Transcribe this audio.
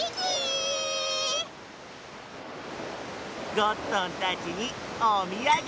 ゴットンたちにおみやげ！